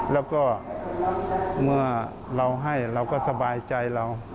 แล้วก็เมื่อเราให้เราก็สบายใจเรา